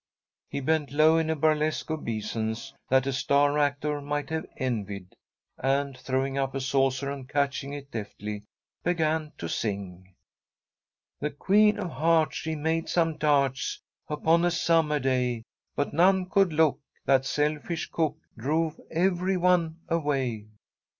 He bent low in a burlesque obeisance that a star actor might have envied, and, throwing up a saucer and catching it deftly, began to sing: "The Queen of Hearts she made some tarts, Upon a summer day. But none could look that selfish cook Drove every one away."